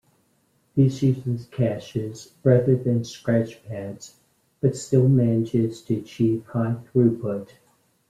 This uses caches rather than scratchpads, but still manages to achieve high throughput.